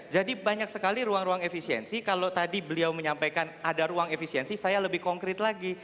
jadi banyak sekali ruang ruang efisiensi kalau tadi beliau menyampaikan ada ruang efisiensi saya lebih konkret lagi